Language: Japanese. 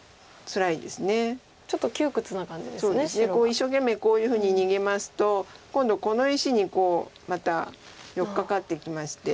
一生懸命こういうふうに逃げますと今度この石にまた寄っかかってきまして。